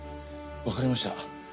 わかりました。